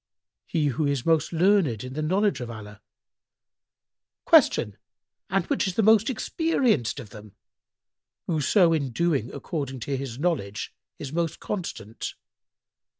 "— "He who is most learned in the knowledge of Allah." Q "And which is the most experienced of them?"—"Whoso in doing according to his knowledge is most constant."